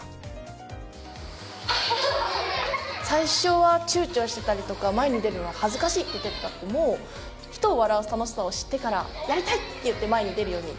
最初はちゅうちょしてたりとか前に出るのは恥ずかしいって言ってた子も人を笑わす楽しさを知ってから「やりたい！」って言って前に出るように。